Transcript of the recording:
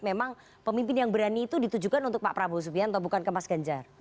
memang pemimpin yang berani itu ditujukan untuk pak prabowo subianto bukan ke mas ganjar